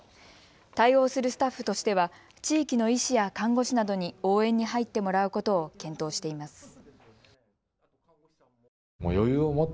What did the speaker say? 対応するスタッフとしては地域の医師や看護師などに応援に入ってもらうことを検討しています。